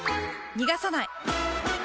逃がさない！